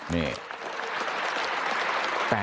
นี่